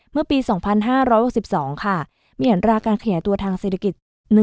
เมื่อปี๒๕๖๒ค่ะมีอัตราการขยายตัวทางเศรษฐกิจ